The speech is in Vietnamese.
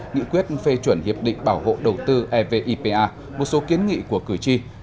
nghị quyết phê chuẩn hiệp định bảo hộ đầu tư evipa một số kiến nghị của cử tri